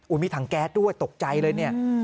มีถังแก๊สด้วยตกใจเลยเนี่ย